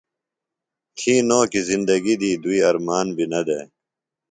تھی نو کیۡ زندگیۡ دی دوئی ارمان بیۡ نہ دےۡ۔